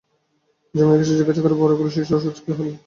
যামিনীকে সে জিজ্ঞাসা করে, বড় গোল শিশির ওষুধ কী হল ঠাকুরদা?